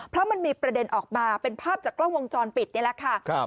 เพราะมันมีประเด็นออกมาเป็นภาพจากกล้องวงจรปิดนี่แหละค่ะ